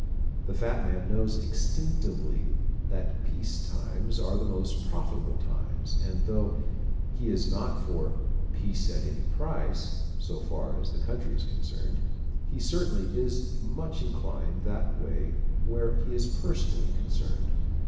The fat man knows instinctively that peace times are the most profitable times and though he is not for "peace at any price" so far as the country is concerned, he certainly is much inclined that way where he is personally concerned.